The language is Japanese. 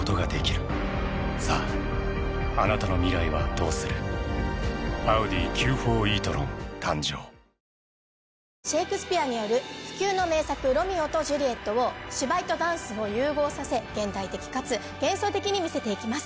どん兵衛シェイクスピアによる不朽の名作『ロミオ＆ジュリエット』を芝居とダンスを融合させ現代的かつ幻想的に見せて行きます。